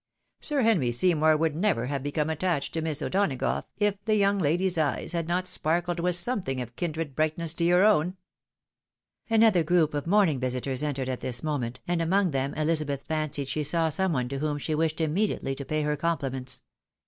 Sir Henry Seymour would never have become attached to Miss " O'Donagough, if the young lady's eyes had not sparkled with something of kindred brightness to your own." Another group of morning visitors entered at this moment, and among them Elizabeth fancied she saw some one to whom she wished immediately to pay her compliments.